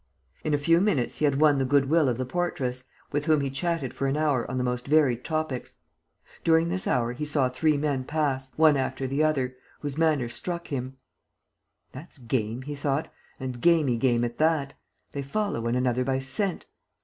In a few minutes, he had won the good will of the portress, with whom he chatted for an hour on the most varied topics. During this hour, he saw three men pass, one after the other, whose manner struck him: "That's game," he thought, "and gamy game at that! ... They follow one another by scent!